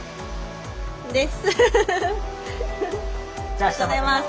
ありがとうございます。